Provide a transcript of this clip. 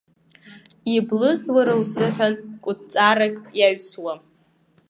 Иблыз уара узыҳәан кәытҵарак иаҩсуам.